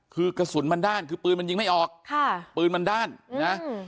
คือกระสุนมันด้านคือปืนมันยิงไม่ออกค่ะปืนมันด้านนะอืม